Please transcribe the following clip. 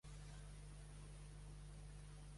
Eugène Boyer va ser un polític francès nascut a Barcelona.